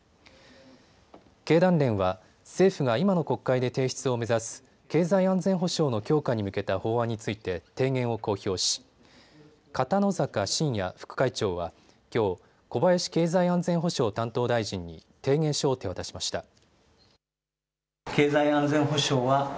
経団連は政府が今の国会で提出を目指す経済安全保障の強化に向けた法案について提言を公表し片野坂真哉副会長はきょう小林経済安全保障担当大臣に提言書を手渡しました。